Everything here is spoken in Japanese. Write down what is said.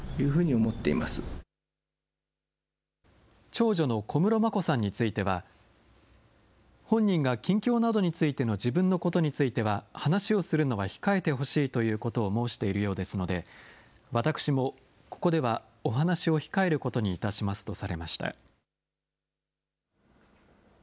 長女の小室眞子さんについては、本人が近況などについての自分のことについては話をするのは控えてほしいということを申しているようですので、私もここではお話を控えることにいたしますとされました。